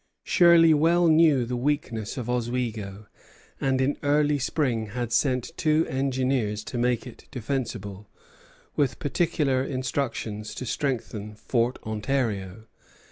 Shirley well knew the weakness of Oswego; and in early spring had sent two engineers to make it defensible, with particular instructions to strengthen Fort Ontario.